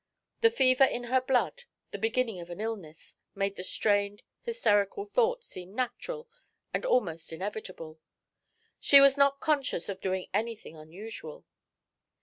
The fever in her blood, the beginning of an illness, made the strained, hysterical thought seem natural and almost inevitable. She was not conscious of doing anything unusual.